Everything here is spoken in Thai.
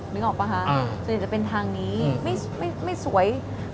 นึกออกป่ะคะจะเป็นทางนี้ไม่สวย